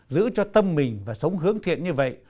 giữ cho tâm mình và sống hướng thiện như vậy